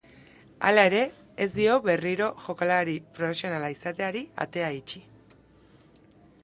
Hala ere, ez dio berriro jokalari profesionala izateari atea itxi.